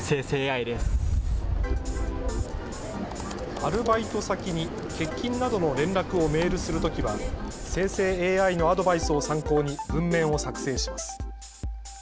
アルバイト先に欠勤などの連絡をメールするときは生成ＡＩのアドバイスを参考に文面を作成します。